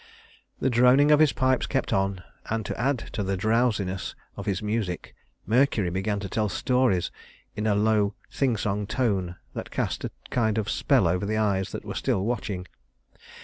The droning of the pipes kept on, and to add to the drowsiness of the music, Mercury began to tell stories in a low sing song tone that cast a kind of spell over the eyes that were still watching.